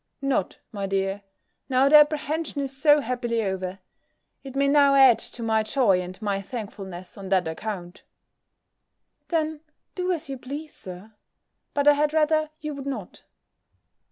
"Not, my dear, now the apprehension is so happily over: it may now add to my joy and my thankfulness on that account." "Then, do as you please, Sir; but I had rather you would not."